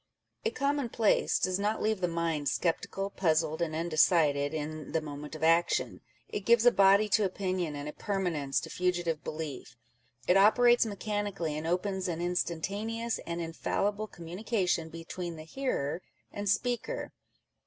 A COMMONPLACE does not leave the mind "sceptical, puzzled, and undecided in the moment of action :" â€" " it gives a body to opinion, and a permanence to fugitive belief." It operates mechanically, and opens an instantaneous and infallible communication between the hearer and speaker.